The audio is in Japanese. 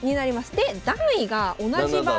で段位が同じ場合。